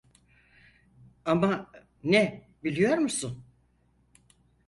Ama ne biliyor musun?